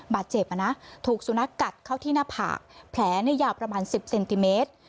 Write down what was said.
บาดเจ็บถูกสุนัขกัดเข้าที่หน้าผากแผลยาวประมาณ๑๐เซนติเมตร